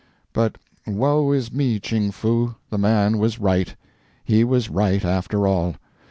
But woe is me, Ching Foo, the man was right. He was right, after all.